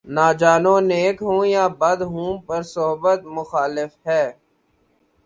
نہ جانوں نیک ہوں یا بد ہوں‘ پر صحبت مخالف ہے